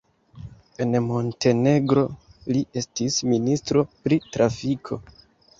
En Montenegro li estis ministro pri trafiko.